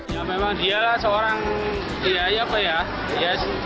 ya memang dia lah seorang iya iya apa ya